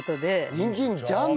にんじんジャム？